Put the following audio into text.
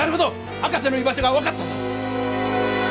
博士の居場所が分かったぞ！